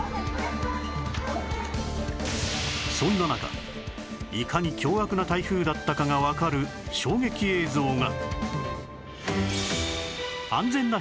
そんな中いかに凶悪な台風だったかがわかる衝撃映像が